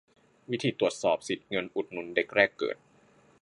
วิธีตรวจสอบสิทธิ์เงินอุดหนุนเด็กแรกเกิด